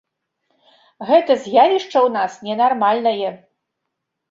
Гэта з'явішча ў нас ненармальнае.